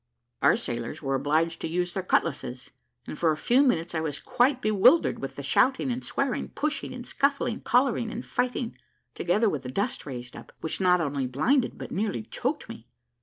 Our sailors were obliged to use their cutlasses, and for a few minutes I was quite bewildered with the shouting and swearing, pushing and scuffling, collaring and fighting, together with the dust raised up, which not only blinded, but nearly choked me.